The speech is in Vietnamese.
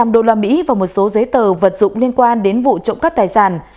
một trăm linh đô la mỹ và một số giấy tờ vật dụng liên quan đến vụ trộm cắp tài sản